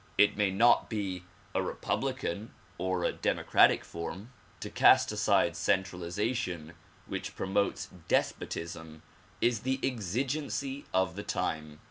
It may not be a republican or a democratic form. To cast aside centralization which promotes despotism is the exi gency of the time.